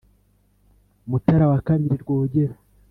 mutara wa kabiri rwogera